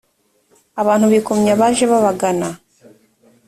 abantu bikomye abaje babagana